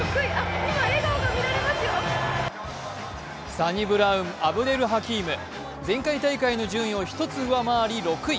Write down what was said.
サニブラウン・アブデル・ハキーム、前回大会の順位を１つ上回り６位。